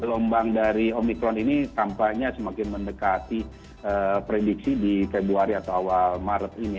gelombang dari omikron ini tampaknya semakin mendekati prediksi di februari atau awal maret ini